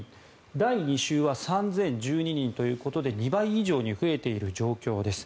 第２週は３０１２人ということで２倍以上に増えている状況です。